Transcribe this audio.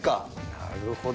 なるほど。